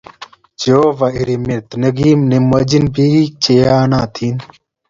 Jehova irimet ne kim ne mwechin bik che yanotin.